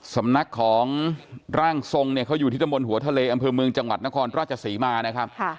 สำนักของร่างทรงเนี่ยเขาอยู่ที่ตะบนหัวทะเลอำเภอเมืองจังหวัดนครราชศรีมานะครับ